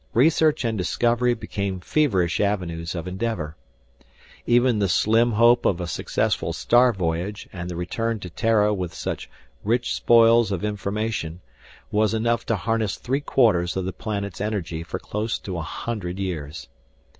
Research and discovery became feverish avenues of endeavor. Even the slim hope of a successful star voyage and the return to Terra with such rich spoils of information was enough to harness three quarters of the planet's energy for close to a hundred years.